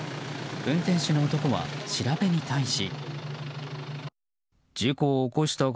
運転手の男は調べに対し。